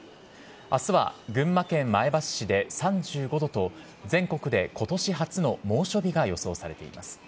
あすは群馬県前橋市で３５度と、全国でことし初の猛暑日が予想されています。